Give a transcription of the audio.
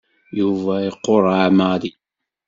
Yuba iqureɛ Mary.